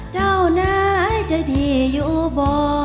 เจ้าไหนจะดีอยู่บ่